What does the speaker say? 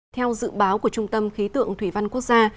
theo dự báo của trung tâm khí tượng thủy văn quốc gia